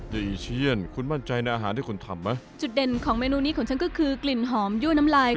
อีเชียนคุณมั่นใจในอาหารที่คุณทำไหมจุดเด่นของเมนูนี้ของฉันก็คือกลิ่นหอมยั่วน้ำลาย